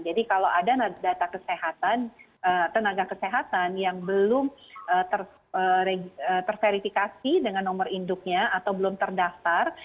jadi kalau ada data kesehatan tenaga kesehatan yang belum terserifikasi dengan nomor induknya atau belum terdaftar